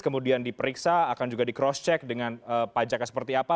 kemudian diperiksa akan juga di cross check dengan pajaknya seperti apa